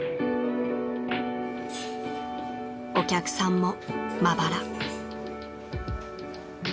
［お客さんもまばら］